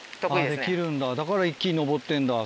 できるんだだから木に登ってんだ。